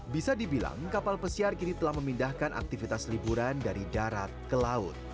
bisa dibilang kapal pesiar kini telah memindahkan aktivitas liburan dari darat ke laut